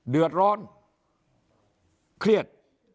เดือดร้อนเครียด